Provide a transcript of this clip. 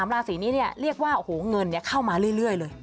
ราศีนี้เรียกว่าโอ้โหเงินเข้ามาเรื่อยเลย